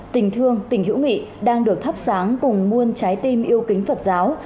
tình thương tình hữu nghị đang được thắp sáng cùng muôn trái tim yêu kính phật giáo